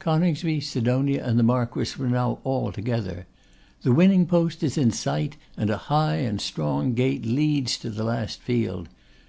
Coningsby, Sidonia, and the Marquess were now all together. The winning post is in sight, and a high and strong gate leads to the last field.